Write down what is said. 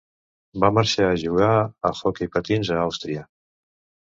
Va marxar a jugar a hoquei patins a Àustria.